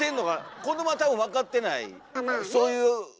子どもは多分わかってない。